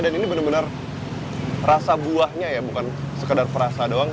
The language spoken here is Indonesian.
dan ini benar benar rasa buahnya ya bukan sekedar perasa doang